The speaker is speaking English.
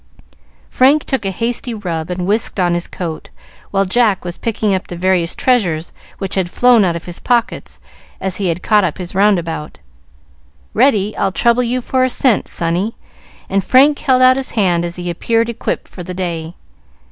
Frank took a hasty rub and whisked on his coat, while Jack was picking up the various treasures which had flown out of his pockets as he caught up his roundabout. "Ready! I'll trouble you for a cent, sonny;" and Frank held out his hand as he appeared equipped for the day.